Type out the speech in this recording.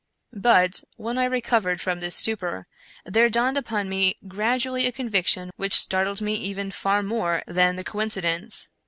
But, when I recovered from this stupor, there dawned upon me gradually a conviction which startled me even far more than the coincidence.